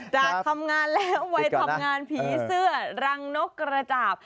จากทำงานแล้ววัยทำงานผีเสื้อรังนกกระจาบ